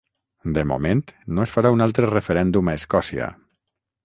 De moment no es farà un altre referèndum a Escòcia